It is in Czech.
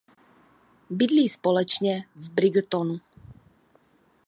Bydlí společně v Brightonu.